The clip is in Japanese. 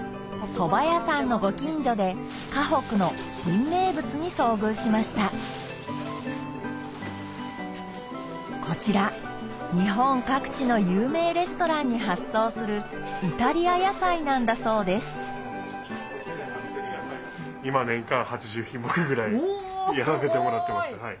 そば屋さんのご近所で河北の新名物に遭遇しましたこちら日本各地の有名レストランに発送するイタリア野菜なんだそうですおすごい！